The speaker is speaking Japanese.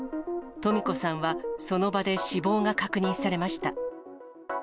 登美子さんは、その場で死亡が確認されました。